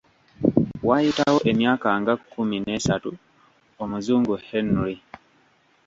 Waayitawo emyaka nga kkumi n'esatu Omuzungu Henry.